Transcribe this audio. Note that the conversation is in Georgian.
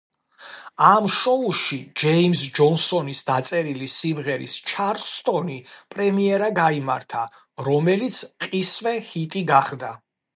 ამ შოუში ჯეიმზ ჯონსონის დაწერილი სიმღერის „ჩარლსტონი“ პრემიერა გაიმართა, რომელიც მყისვე ჰიტი გახდა.